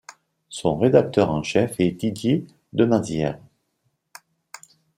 Son rédacteur en chef est Didier Demazière.